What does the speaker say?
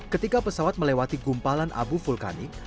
ketika pesawat melewati gumpalan abu vulkanik